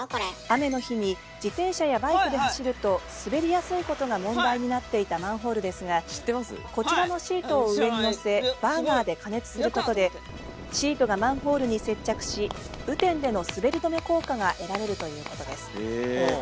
雨の日に自転車やバイクで走ると滑りやすいことが問題になっていたマンホールですがこちらのシートを上に載せバーナーで加熱することでシートがマンホールに接着し雨天での滑り止め効果が得られるということです。